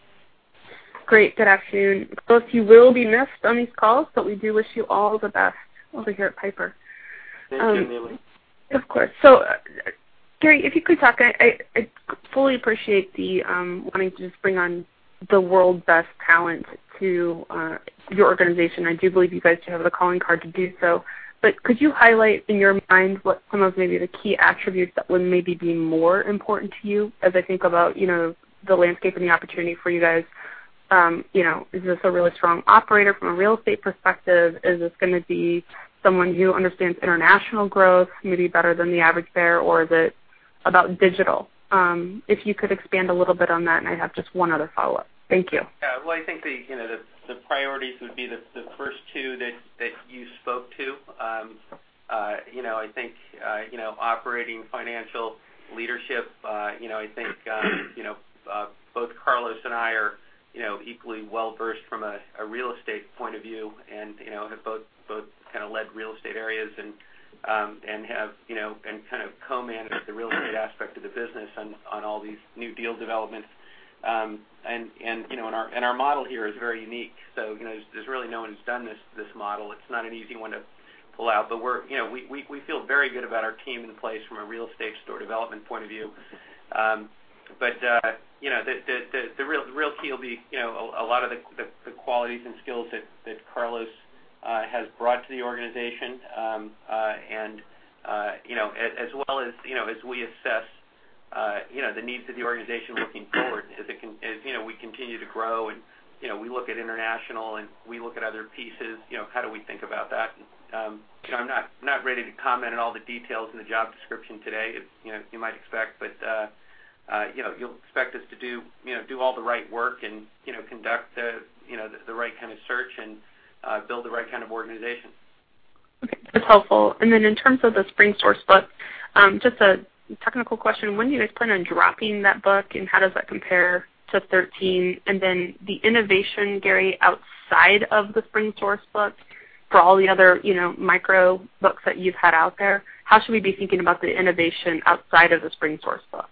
Great. Good afternoon. Both, you will be missed on these calls, but we do wish you all the best over here at Piper. Thank you, Neely. Of course. Gary, if you could talk, I fully appreciate the wanting to just bring on the world's best talent to your organization. I do believe you guys do have the calling card to do so. Could you highlight, in your mind, what some of maybe the key attributes that would maybe be more important to you as I think about the landscape and the opportunity for you guys? Is this a really strong operator from a real estate perspective? Is this going to be someone who understands international growth maybe better than the average bear, or is it about digital? If you could expand a little bit on that, and I have just one other follow-up. Thank you. Yeah. Well, I think the priorities would be the first two that you spoke to. I think operating financial leadership. I think both Carlos and I are equally well-versed from a real estate point of view and have both led real estate areas and have co-managed the real estate aspect of the business on all these new deal developments. Our model here is very unique. There's really no one who's done this model. It's not an easy one to pull out. We feel very good about our team in place from a real estate store development point of view. The real key will be a lot of the qualities and skills that Carlos has brought to the organization, as well as we assess the needs of the organization looking forward as we continue to grow and we look at international and we look at other pieces, how do we think about that? I'm not ready to comment on all the details in the job description today as you might expect, you'll expect us to do all the right work and conduct the right kind of search and build the right kind of organization. Okay. That's helpful. In terms of the spring source book, just a technical question. When do you guys plan on dropping that book, and how does that compare to 13? The innovation, Gary, outside of the spring source book for all the other micro books that you've had out there, how should we be thinking about the innovation outside of the spring source book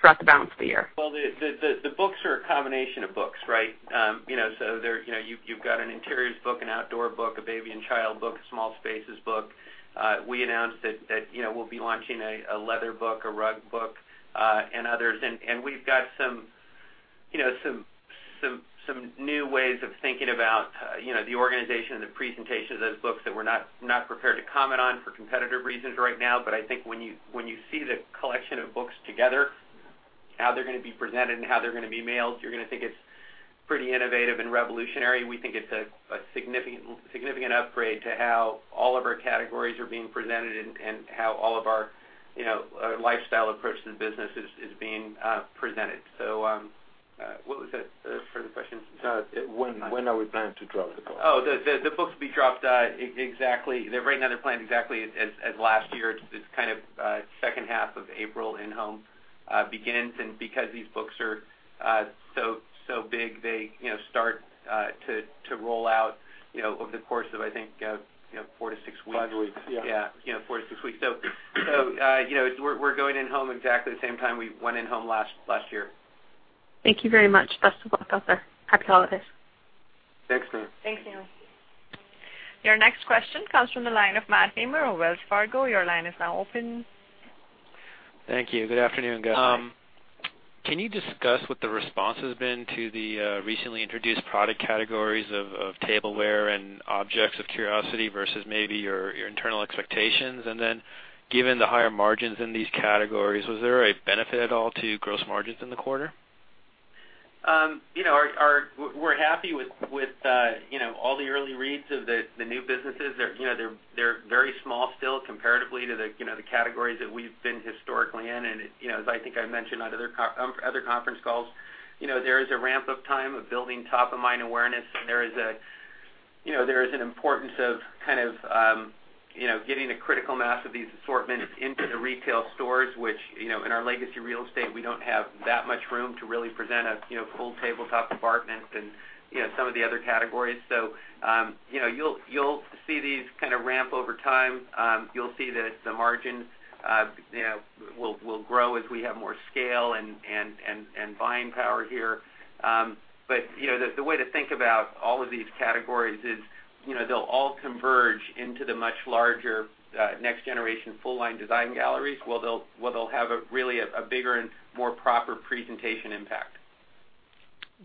throughout the balance of the year? Well, the books are a combination of books. You've got an interiors book, an outdoor book, a Baby & Child book, a small spaces book. We announced that we'll be launching a leather book, a rug book, and others. We've got some new ways of thinking about the organization and the presentation of those books that we're not prepared to comment on for competitive reasons right now. I think when you see the collection of books together, how they're going to be presented, and how they're going to be mailed, you're going to think it's pretty innovative and revolutionary. We think it's a significant upgrade to how all of our categories are being presented and how all of our lifestyle approach to the business is being presented. What was that further question? When are we planning to drop the book? Oh, the books will be dropped exactly. They're right now planned exactly as last year. It's second half of April in-home begins. Because these books are so big, they start to roll out over the course of, I think, four to six weeks. Five weeks. Yeah. Yeah. Four to six weeks. We're going in-home exactly the same time we went in-home last year. Thank you very much. Best of luck out there. Happy holidays. Thanks, Sarah. Thanks, Sarah. Your next question comes from the line of [Martin] of Wells Fargo. Your line is now open. Thank you. Good afternoon, guys. Can you discuss what the response has been to the recently introduced product categories of tableware and Objects of Curiosity versus maybe your internal expectations? Given the higher margins in these categories, was there a benefit at all to gross margins in the quarter? We're happy with all the early reads of the new businesses. They're very small still comparatively to the categories that we've been historically in. As I think I've mentioned on other conference calls, there is a ramp-up time of building top-of-mind awareness, and there is an importance of getting a critical mass of these assortments into the retail stores, which in our legacy real estate, we don't have that much room to really present a full tabletop department and some of the other categories. You'll see these ramp over time. You'll see that the margins will grow as we have more scale and buying power here. The way to think about all of these categories is they'll all converge into the much larger next generation full-line design galleries where they'll have really a bigger and more proper presentation impact.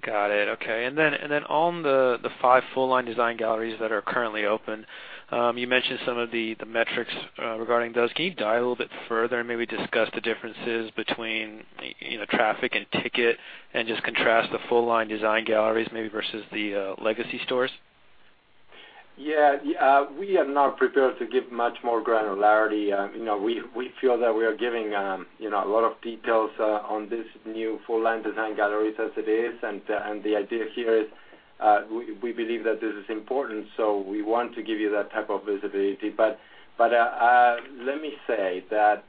Got it. Okay. On the five full-line design galleries that are currently open, you mentioned some of the metrics regarding those. Can you dive a little bit further and maybe discuss the differences between traffic and ticket and just contrast the full-line design galleries maybe versus the legacy stores? Yeah. We are not prepared to give much more granularity. We feel that we are giving a lot of details on this new full-line design galleries as it is. The idea here is we believe that this is important, so we want to give you that type of visibility. Let me say that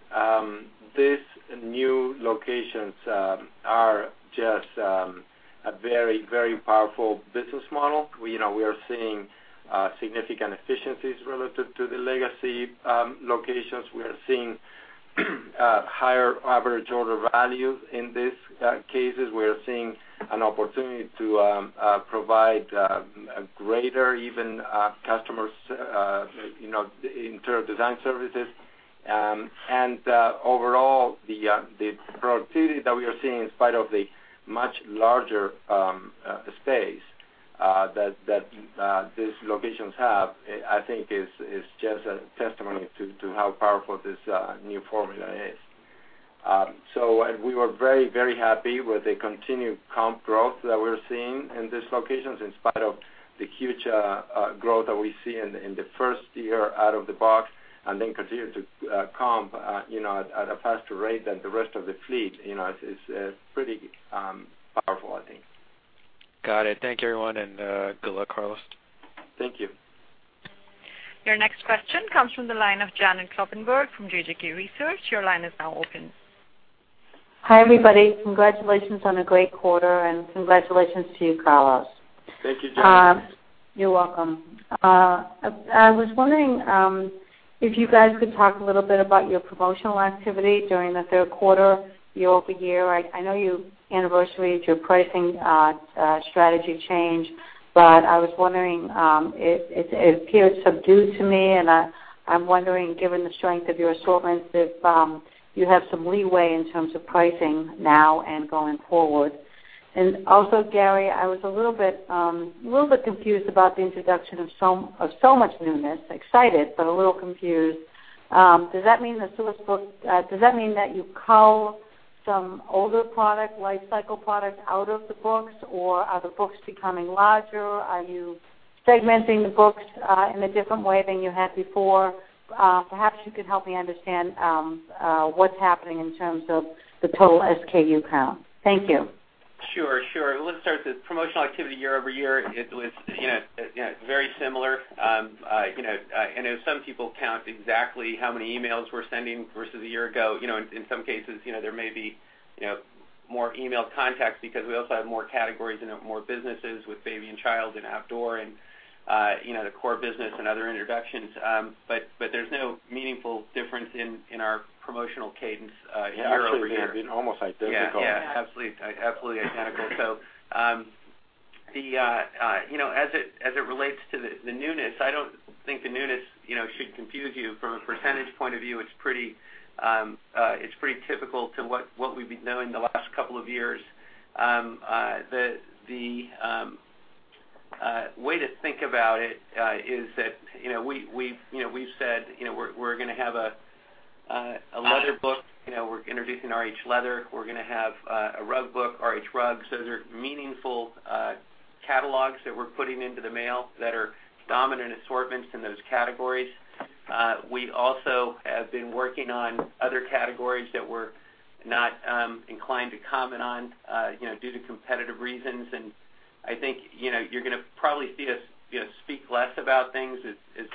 these new locations are just a very powerful business model. We are seeing significant efficiencies relative to the legacy locations. We are seeing higher average order values in these cases. We are seeing an opportunity to provide greater even customers in terms of design services. Overall, the productivity that we are seeing in spite of the much larger space that these locations have, I think is just a testimony to how powerful this new formula is. We were very happy with the continued comp growth that we're seeing in these locations in spite of the huge growth that we see in the first year out of the box and then continue to comp at a faster rate than the rest of the fleet. It's pretty powerful, I think. Got it. Thank you, everyone, and good luck, Carlos. Thank you. Your next question comes from the line of Janet Kloppenburg from JJK Research. Your line is now open. Hi, everybody. Congratulations on a great quarter, and congratulations to you, Carlos. Thank you, Janet. You're welcome. I was wondering if you guys could talk a little bit about your promotional activity during the third quarter year-over-year. I know you anniversaried your pricing strategy change, but I was wondering, it appeared subdued to me, and I'm wondering, given the strength of your assortments, if you have some leeway in terms of pricing now and going forward. Also, Gary, I was a little bit confused about the introduction of so much newness. Excited, a little confused. Does that mean that you cull some older product, life cycle product out of the books, or are the books becoming larger? Are you segmenting the books in a different way than you had before? Perhaps you could help me understand what's happening in terms of the total SKU count. Thank you. Sure. Let's start with the promotional activity year-over-year. It was very similar. I know some people count exactly how many emails we're sending versus a year ago. In some cases, there may be more email contacts because we also have more categories and more businesses with Baby & Child and Outdoor and the core business and other introductions. There's no meaningful difference in our promotional cadence year-over-year. Actually, they've been almost identical. Yeah. Absolutely identical. As it relates to the newness, I don't think the newness should confuse you. From a percentage point of view, it's pretty typical to what we've been knowing the last couple of years. The way to think about it is that we've said we're going to have a leather book. We're introducing RH Leather. We're going to have a rug book, RH Rugs. They're meaningful catalogs that we're putting into the mail that are dominant assortments in those categories. We also have been working on other categories that we're not inclined to comment on due to competitive reasons. I think, you're going to probably see us speak less about things as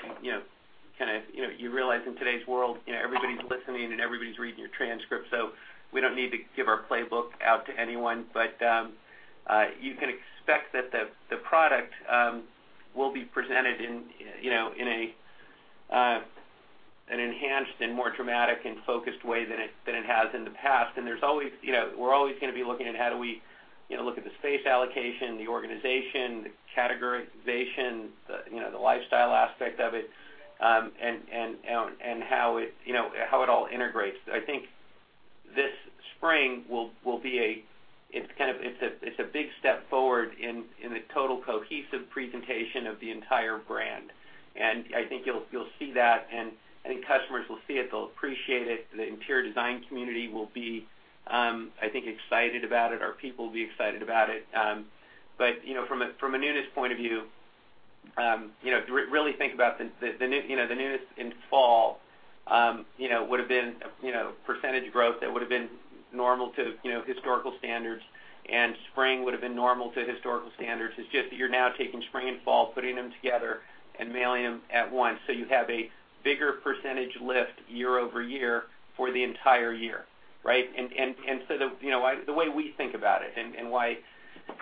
you realize in today's world, everybody's listening and everybody's reading your transcript. We don't need to give our playbook out to anyone. You can expect that the product will be presented in an enhanced and more dramatic and focused way than it has in the past. We're always going to be looking at how do we look at the space allocation, the organization, the categorization, the lifestyle aspect of it, and how it all integrates. I think this spring, it's a big step forward in the total cohesive presentation of the entire brand, and I think you'll see that, and I think customers will see it. They'll appreciate it. The interior design community will be, I think, excited about it. Our people will be excited about it. From a newness point of view, really think about the newness in fall, would have been percentage growth that would have been normal to historical standards, and spring would have been normal to historical standards. It's just that you're now taking spring and fall, putting them together, and mailing them at once, so you have a bigger percentage lift year-over-year for the entire year, right? The way we think about it and why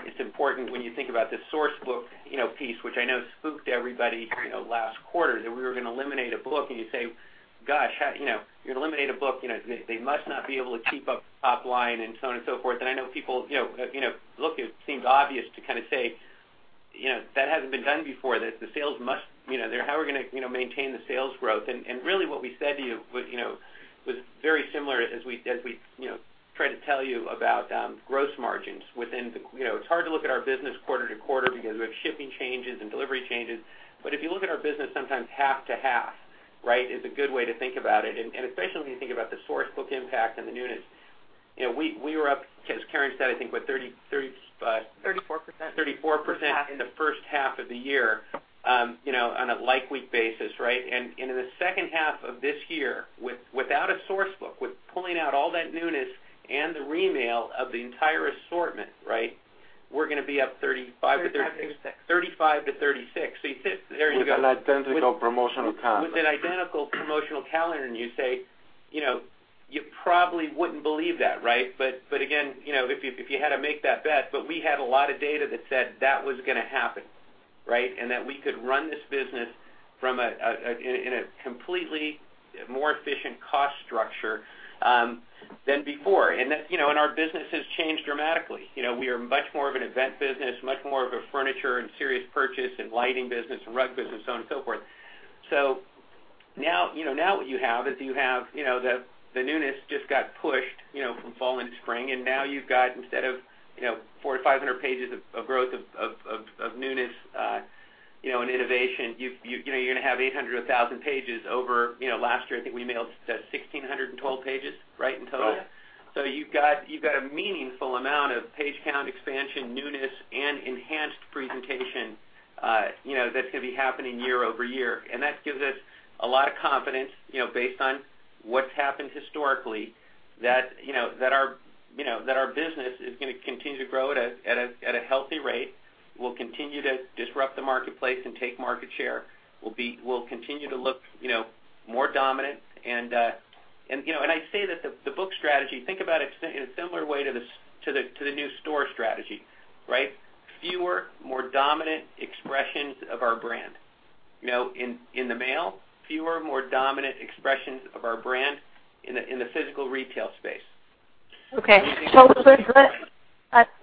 it's important when you think about the source book piece, which I know spooked everybody last quarter, that we were going to eliminate a book and you say, "Gosh, you eliminate a book, they must not be able to keep up the top line," and so on and so forth. I know people look, it seems obvious to say that hasn't been done before, that how are we going to maintain the sales growth? Really what we said to you was very similar as we tried to tell you about gross margins. It's hard to look at our business quarter to quarter because we have shipping changes and delivery changes. If you look at our business sometimes half to half is a good way to think about it. Especially when you think about the source book impact and the newness. We were up, as Karen said, I think what, 34% in the first half of the year on a like-week basis, right? In the second half of this year, without a source book, with pulling out all that newness and the remail of the entire assortment. We're going to be up 35% to 36%. So there you go. With an identical promotional calendar. With an identical promotional calendar, you say, you probably wouldn't believe that. Again, if you had to make that bet, but we had a lot of data that said that was going to happen. That we could run this business in a completely more efficient cost structure than before. Our business has changed dramatically. We are much more of an event business, much more of a furniture and serious purchase and lighting business, rug business, so on and so forth. Now what you have is you have the newness just got pushed from fall into spring, and now you've got, instead of 400 or 500 pages of growth of newness and innovation, you're going to have 800 or 1,000 pages. Last year, I think we mailed 1,612 pages in total. Right. You've got a meaningful amount of page count expansion, newness, and enhanced presentation that's going to be happening year-over-year. That gives us a lot of confidence based on what's happened historically that our business is going to continue to grow at a healthy rate. We'll continue to disrupt the marketplace and take market share. We'll continue to look more dominant. I'd say that the book strategy, think about it in a similar way to the new store strategy, right? Fewer, more dominant expressions of our brand. In the mail, fewer, more dominant expressions of our brand in the physical retail space.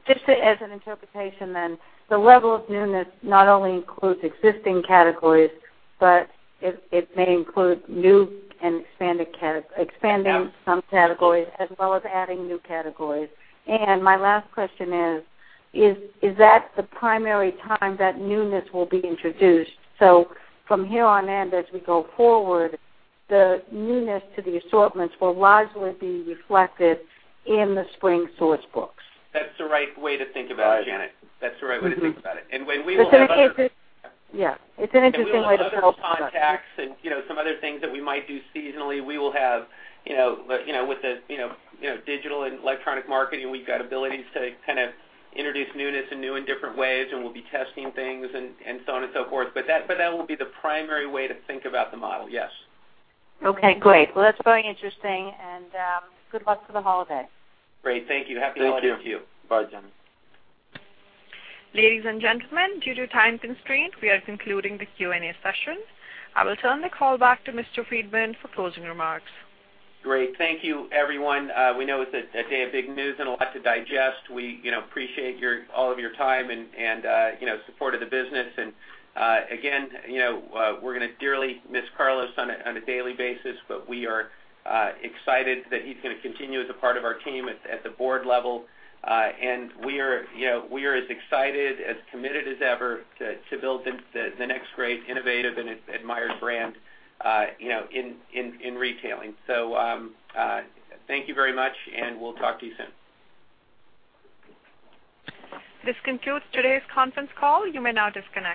Just as an interpretation then, the level of newness not only includes existing categories, but it may include new and expanding some categories as well as adding new categories. My last question is: Is that the primary time that newness will be introduced? From here on in, as we go forward, the newness to the assortments will largely be reflected in the spring source books. That's the right way to think about it, Janet. Yes. It's an interesting way to think about it. We will have other contacts and some other things that we might do seasonally. With the digital and electronic marketing, we've got abilities to kind of introduce newness in new and different ways, and we'll be testing things and so on and so forth. That will be the primary way to think about the model, yes. Okay, great. Well, that's very interesting, and good luck for the holiday. Great. Thank you. Happy holidays to you. Thank you. Bye, Janet. Ladies and gentlemen, due to time constraint, we are concluding the Q&A session. I will turn the call back to Mr. Friedman for closing remarks. Great. Thank you, everyone. We know it's a day of big news and a lot to digest. We appreciate all of your time and support of the business. Again, we're going to dearly miss Carlos on a daily basis, but we are excited that he's going to continue as a part of our team at the board level. We are as excited, as committed as ever, to build the next great innovative and admired brand in retailing. Thank you very much, and we'll talk to you soon. This concludes today's conference call. You may now disconnect.